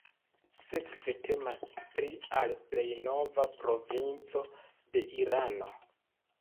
Sekve temas pri al plej nova provinco de Irano.